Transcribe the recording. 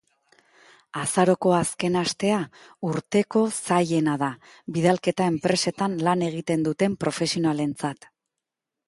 Azaroko azken astea urteko zailena da bidalketa enpresetan lan egiten duten profesionalentzat.